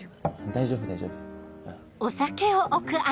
大丈夫大丈夫。